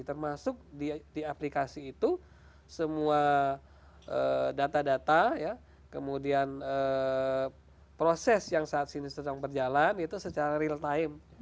termasuk di aplikasi itu semua data data kemudian proses yang saat ini sedang berjalan itu secara real time